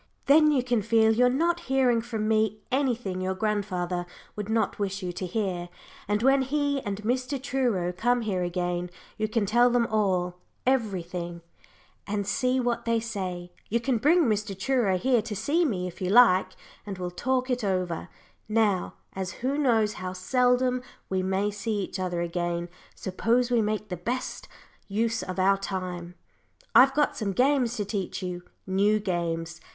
Then you can feel you're not hearing from me anything your grandfather would not wish you to hear, and when he and Mr. Truro come here again, you can tell them all everything, and see what they say. You can bring Mr. Truro here to see me, if you like, and we'll talk it over. Now, as who knows how seldom we may see each other again, suppose we make the best use of our time. I've got some games to teach you new games.